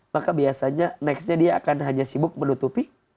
maka biasanya nextnya dia akan hanya sibuk menutupi